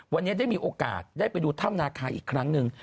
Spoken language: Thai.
วันนี้ได้มีโอกาสได้ไปดูถ้ำนาคาอีกครั้งหนึ่ง